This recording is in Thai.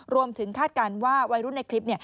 คาดการณ์ว่าวัยรุ่นในคลิป